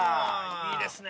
いいですね。